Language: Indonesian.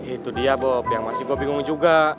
itu dia bob yang masih gue bingung juga